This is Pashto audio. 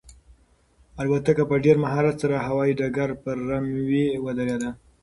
الوتکه په ډېر مهارت سره د هوایي ډګر پر رن وې ودرېده.